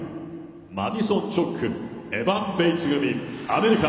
マディソン・チョックエバン・ベイツ組、アメリカ。